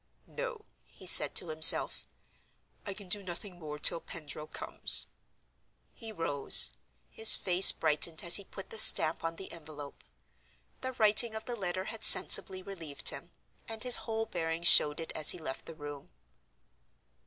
"No," he said to himself; "I can do nothing more till Pendril comes." He rose; his face brightened as he put the stamp on the envelope. The writing of the letter had sensibly relieved him, and his whole bearing showed it as he left the room.